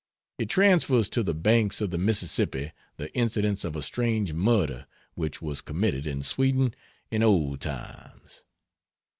It transfers to the banks of the Mississippi the incidents of a strange murder which was committed in Sweden in old times.